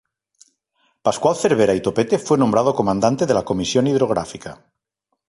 Pascual Cervera y Topete fue nombrado comandante de la comisión hidrográfica.